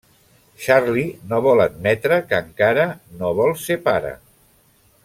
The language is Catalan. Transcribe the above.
Charlie no vol admetre que encara no vol ser pare.